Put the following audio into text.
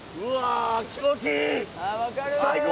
気持ちいい、最高！